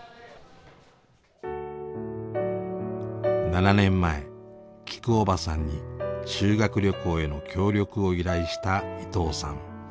７年前きくおばさんに修学旅行への協力を依頼した伊藤さん。